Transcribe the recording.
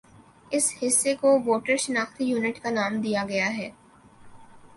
اس حصہ کو ووٹر شناختی یونٹ کا نام دیا گیا ہے